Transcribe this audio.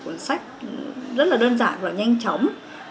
cuốn sách rất là đơn giản và nhanh chóng